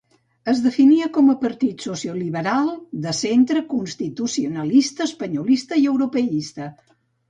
Es definia com a partit socioliberal, de centre, constitucionalista, espanyolista i europeista.